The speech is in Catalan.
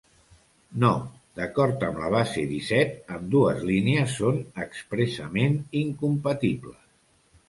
No, d'acord amb la base disset ambdues línies són expressament incompatibles.